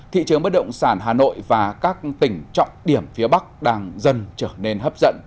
thị trường bất động sản hà nội và các tỉnh trọng điểm phía bắc đang dần trở nên hấp dẫn